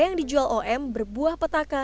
yang dijual om berbuah petaka